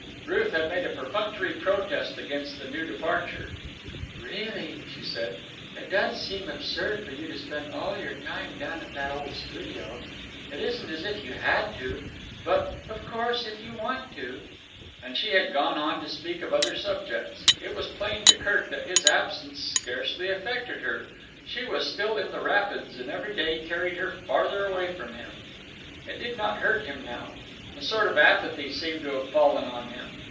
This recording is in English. Ruth had made a perfunctory protest against the new departure. "Really," she said, "it does seem absurd for you to spend all your time down at that old studio. It isn't as if you had to. But, of course, if you want to——" And she had gone on to speak of other subjects. It was plain to Kirk that his absence scarcely affected her. She was still in the rapids, and every day carried her farther away from him. It did not hurt him now. A sort of apathy seemed to have fallen on him.